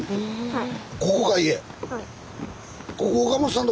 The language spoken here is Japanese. はい。